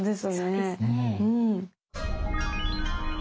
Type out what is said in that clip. そうですね。